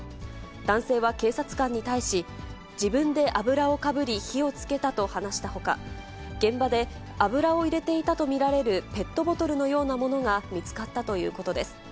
男性は警察官に対し、自分で油をかぶり、火をつけたと話したほか、現場で油を入れていたと見られるペットボトルのようなものが見つかったということです。